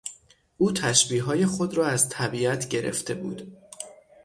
او تشبیه های خود را از طبیعت گرفته بود.